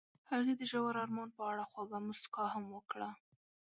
هغې د ژور آرمان په اړه خوږه موسکا هم وکړه.